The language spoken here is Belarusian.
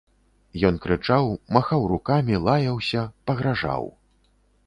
Ён крычаў, махаў рукамі, лаяўся, пагражаў.